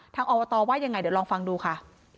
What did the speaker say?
อบตว่ายังไงเดี๋ยวลองฟังดูค่ะ